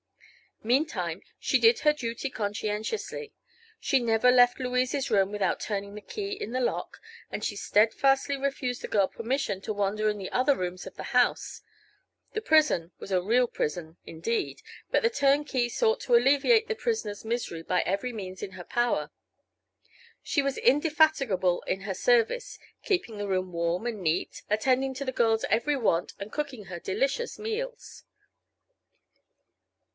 Meantime she did her duty conscientiously. She never left Louise's room without turning the key in the lock, and she steadfastly refused the girl permission to wander in the other rooms of the house. The prison was a real prison, indeed, but the turnkey sought to alleviate the prisoner's misery by every means in her power. She was indefatigable in her service, keeping the room warm and neat, attending to the girl's every want and cooking her delicious meals.